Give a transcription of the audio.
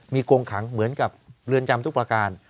มีกงขังเหมือนกับเรือนจำทุกประการ